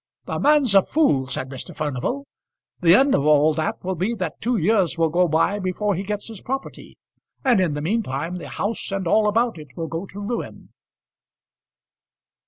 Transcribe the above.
"The man's a fool," said Mr. Furnival. "The end of all that will be that two years will go by before he gets his property; and, in the meantime, the house and all about it will go to ruin."